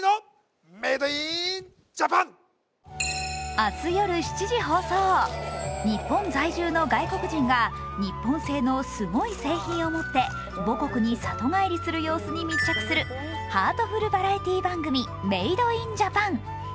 明日夜７時放送、日本在住の外国人が日本製のすごい製品を持って母国に里帰りする様子に密着するハートフルバラエティー番組「メイドインジャパン！」。